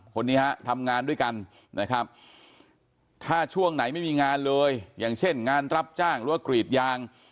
คนนี้ฮะทำงานด้วยกันนะครับถ้าช่วงไหนไม่มีงานเลยอย่างเช่นงานรับจ้างหรือว่ากรีดยาง